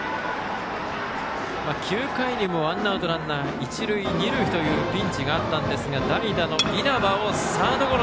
９回にもワンアウトランナー、一塁二塁というピンチがあったんですが代打の稲葉をサードゴロ。